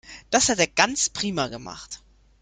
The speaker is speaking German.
Das hat er ganz prima gemacht.